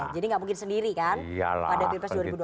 jadi tidak mungkin sendiri kan pada pps dua ribu dua puluh empat